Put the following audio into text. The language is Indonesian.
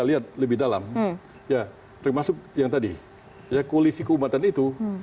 kita lihat lebih dalam ya termasuk yang tadi ya koalisi keumatan itu